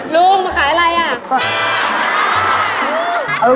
ลุงมาขายอะไรอ่ะ